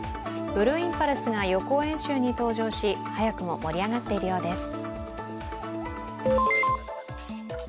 ブルーインパルスが予行演習に登場し早くも盛り上がっているようです。